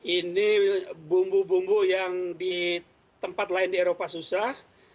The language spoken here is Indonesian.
ini bumbu bumbu yang di tempat lain di eropa susah